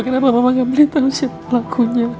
kenapa mama gak beli tau siapa pelakunya